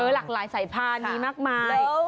หลากหลายสายพานมีมากมาย